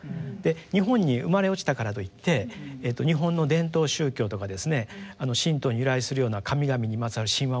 日本に生まれ落ちたからといって日本の伝統宗教とかですね神道に由来するような神々にまつわる神話をね